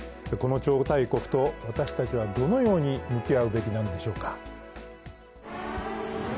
この超大国と私たちは、どのように向き合うべきなのでしょうか。